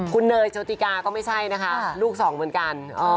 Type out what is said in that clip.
คุณเนยโชติกาก็ไม่ใช่นะคะลูกสองเหมือนกัน